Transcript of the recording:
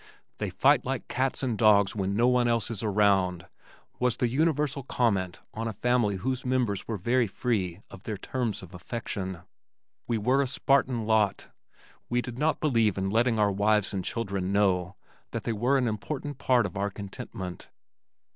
"They fight like cats and dogs when no one else is around" was the universal comment on a family whose members were very free of their terms of affection. We were a Spartan lot. We did not believe in letting our wives and children know that they were an important part of our contentment.